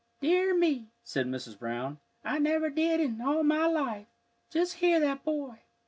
"Dear me!" said Mrs. Brown, "I never did, in all my life! Just hear that boy!"